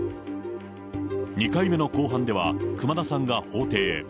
２回目の公判では熊田さんが法廷へ。